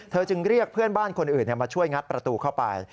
จึงเรียกเพื่อนบ้านคนอื่นมาช่วยงัดประตูเข้าไป